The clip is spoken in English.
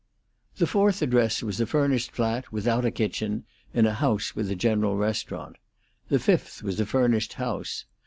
The fourth address was a furnished flat without a kitchen, in a house with a general restaurant. The fifth was a furnished house.